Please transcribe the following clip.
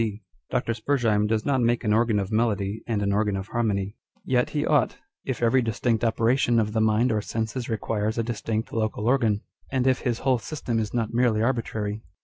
D. Dr. Spurzheim does not make an organ of melody and an organ of harmony ; yet he ought, if every distinct opera tion of the mind or senses requires a distinct local organ, and if his whole system is not merely arbitrary.